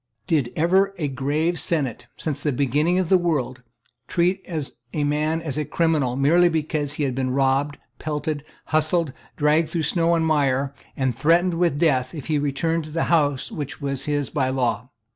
Did ever any grave senate, since the beginning of the world, treat a man as a criminal merely because he had been robbed, pelted, hustled, dragged through snow and mire, and threatened with death if he returned to the house which was his by law?